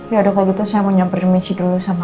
ya kalau gitu saya mau nyamperin michi dulu sama